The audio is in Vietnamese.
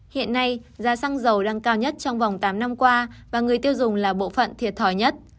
hiện nay giá xăng dầu đang cao nhất trong vòng tám năm qua và người tiêu dùng là bộ phận thiệt thòi nhất